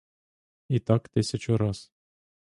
І так тисячу раз.